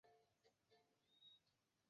陈式坦墓的历史年代为近代。